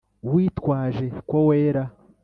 witwaje ko wera